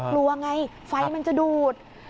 กลัวไงไฟมันจะดูด